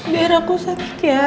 biarin aku sakit ya